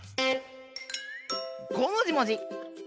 「ごもじもじ」。